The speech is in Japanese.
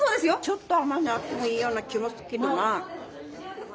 ちょっと甘みあってもいいような気もすっけどな。